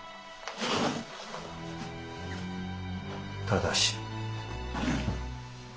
ただし。